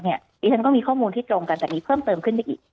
ดิฉันก็มีข้อมูลที่ตรงกันแต่มีเพิ่มเติมขึ้นไปอีก